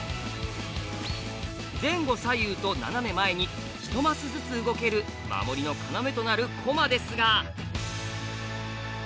前後左右と斜め前に一マスずつ動ける守りの要となる駒ですが。